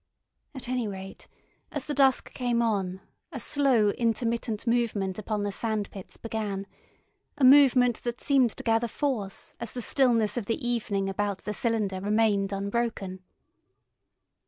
At any rate, as the dusk came on a slow, intermittent movement upon the sand pits began, a movement that seemed to gather force as the stillness of the evening about the cylinder remained unbroken.